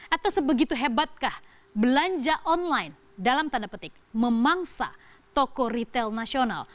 atau sebegitu hebatkah belanja online dalam tanda petik memangsa toko retail nasional